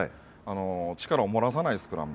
力を漏らさないスクラム。